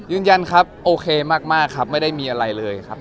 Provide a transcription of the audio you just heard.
ยืนยันครับโอเคมากครับไม่ได้มีอะไรเลยครับ